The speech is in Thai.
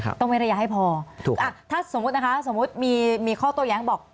ต้องเว้นระยะให้พอถูกอ่ะถ้าสมมุตินะคะสมมุติมีมีข้อโต้แย้งบอก